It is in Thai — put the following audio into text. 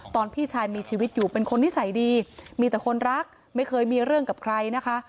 พี่ชายมีชีวิตอยู่เป็นคนนิสัยดีมีแต่คนรักไม่เคยมีเรื่องกับใครนะคะ